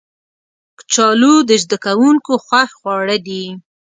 کچالو د زده کوونکو خوښ خواړه دي